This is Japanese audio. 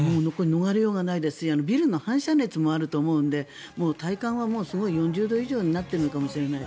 逃れようがないですしビルの反射熱もあると思うので体感はすごい、４０度以上になっているのかもしれない。